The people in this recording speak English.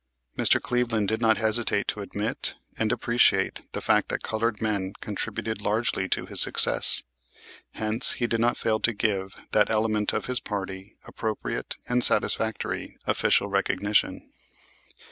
Mr. Cleveland did not hesitate to admit and appreciate the fact that colored men contributed largely to his success, hence he did not fail to give that element of his party appropriate and satisfactory official recognition.